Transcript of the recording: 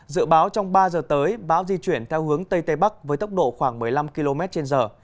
dự báo trong ba giờ tới bão di chuyển theo hướng tây tây bắc với tốc độ khoảng một mươi năm km trên giờ